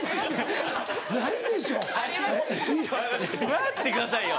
待ってくださいよ